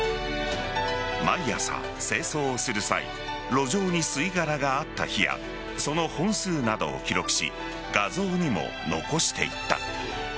毎朝、清掃をする際路上に吸い殻があった日やその本数などを記録し画像にも残していった。